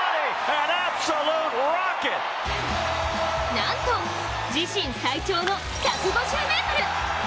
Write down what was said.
なんと自身最長の１５０ｍ。